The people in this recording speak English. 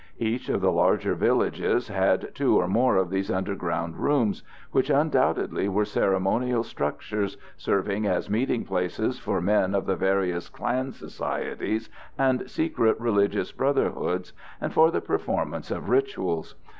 Each of the larger villages had two or more of these underground rooms, which undoubtedly were ceremonial structures, serving as meeting places for men of the various clan societies and secret religious brotherhoods and for the performance of rituals.